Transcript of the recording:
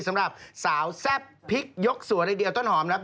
สำหรับสาวแซ่บพริกยกสัวเลยเดียวต้นหอมนะครับ